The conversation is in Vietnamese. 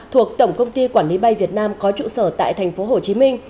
thuộc tổng công ty quản lý bay việt nam có trụ sở tại tp hcm